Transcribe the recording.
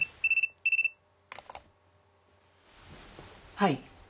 「はい」